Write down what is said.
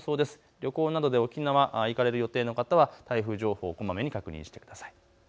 旅行などで沖縄行かれる予定の方は台風情報をこまめに確認してください。